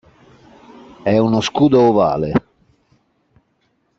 È uno scudo ovale.